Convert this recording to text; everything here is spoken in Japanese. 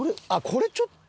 これちょっと。